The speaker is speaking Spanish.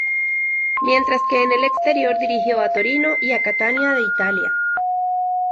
Mientras que en el exterior dirigió a Torino y a Catania de Italia.